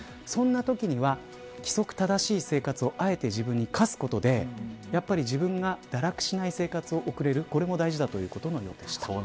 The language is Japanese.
そのときには規則正しい生活をあえて自分に課すことで自分が堕落しない生活を送れることも大事だと思います。